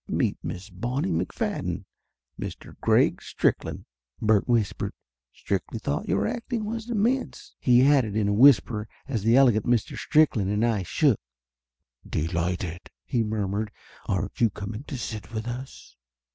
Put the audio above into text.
"Meet Miss Bonnie McFadden, Mr. Greg Strick land," Bert whispered. "Stricky thought your acting was immense," he added in a whisper as the elegant Mr. Strickland and I shook. "Delighted !" he murmured. "Aren't you coming to sit with us?"